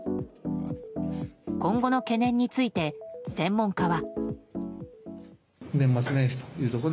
今後の懸念について専門家は。